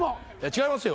違いますよ。